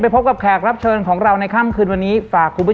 พบกับแขกรับเชิญของเราในค่ำคืนวันนี้ฝากคุณผู้ชม